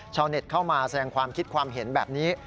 ชาวเน็ตเข้ามาแสดงความคิดความเห็นแบบนี้